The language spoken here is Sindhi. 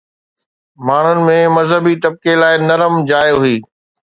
ماڻهن ۾ مذهبي طبقي لاءِ نرم جاءِ هئي